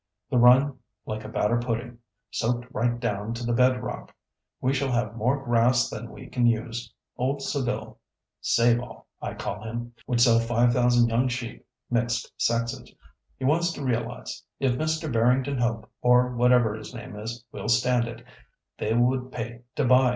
"The run like a batter pudding, soaked right down to the bed rock. We shall have more grass than we can use. Old Saville (Save all, I call him!) would sell five thousand young sheep, mixed sexes. He wants to realise. If Mr. Barrington Hope, or whatever his name is, will stand it, they would pay to buy.